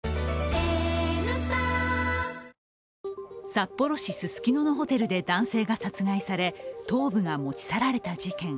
札幌市ススキノのホテルで男性が殺害され、頭部が持ち去られた事件。